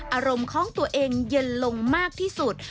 อารมณ์ของตัวเองเย็นลงมากที่สุด